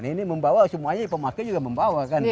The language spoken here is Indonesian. ini membawa semuanya pemakai juga membawa kan